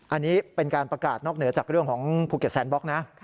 อันนี้เป็นการประกาศนอกเหนือจากเรื่องของภูเก็ตแซนบล็อกนะ